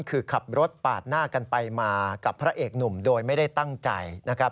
คือขับรถปาดหน้ากันไปมากับพระเอกหนุ่มโดยไม่ได้ตั้งใจนะครับ